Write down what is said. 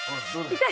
痛い。